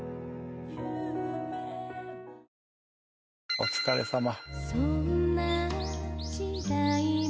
お疲れさま。